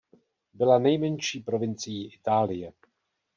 Byla nejmenší provincií Itálie.